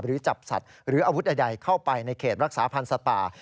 จับสัตว์หรืออาวุธใดเข้าไปในเขตรักษาพันธ์สัตว์ป่า